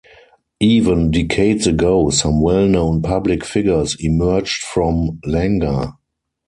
Even decades ago some well known public figures emerged from Langa.